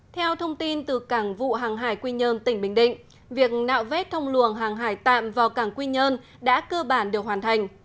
theo thông tin từ cảng vụ hàng hải quy nhơn tỉnh bình định việc nạo vét thông luồng hàng hải tạm vào cảng quy nhơn đã cơ bản được hoàn thành